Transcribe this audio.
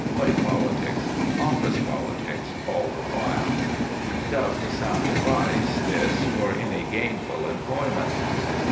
Play politics, office politics all the while." Doubtless sound advice, this, for any gainful employment.